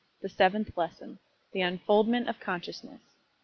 THE SEVENTH LESSON. THE UNFOLDMENT OF CONSCIOUSNESS.